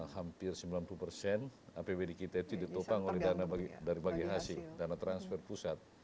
hampir sembilan puluh persen apbd kita itu ditopang oleh dana dari bagi hasil dana transfer pusat